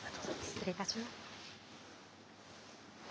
失礼いたします。